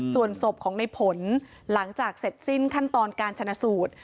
ส่วนศพของในผลหลังจากเสร็จสิ้นขั้นตอนการชนะสูตร